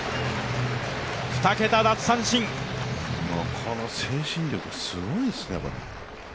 この精神力、すごいですね。